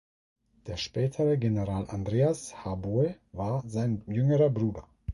Der spätere General Andreas Harboe war sein jüngerer Bruder.